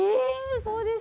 そうです。